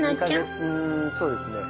そうです。